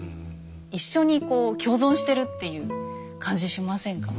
一緒にこう共存してるっていう感じしませんか？